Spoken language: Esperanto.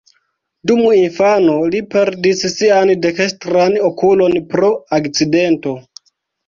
Dum infano li perdis sian dekstran okulon pro akcidento.